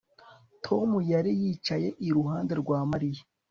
Tom yari yicaye iruhande rwa Mariya